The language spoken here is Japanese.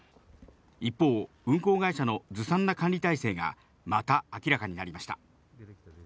一方、運航会社のずさんな管理体制が、また明らかになりました。